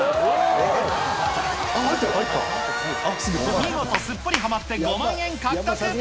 見事、すっぽりハマって５万円獲得。